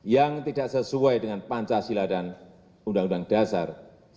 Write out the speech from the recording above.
yang tidak sesuai dengan pancasila dan undang undang dasar seribu sembilan ratus empat puluh